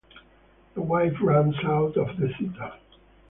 The wife runs out of the theater.